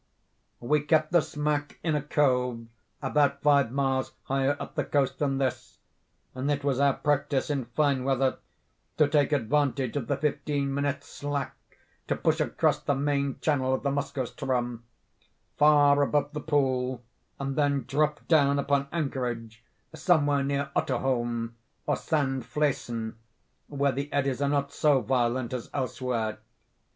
"We kept the smack in a cove about five miles higher up the coast than this; and it was our practice, in fine weather, to take advantage of the fifteen minutes' slack to push across the main channel of the Moskoe ström, far above the pool, and then drop down upon anchorage somewhere near Otterholm, or Sandflesen, where the eddies are not so violent as elsewhere.